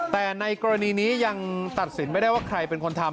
แต่ในกรณีนี้ยังตัดสินไม่ได้ว่าใครเป็นคนทำ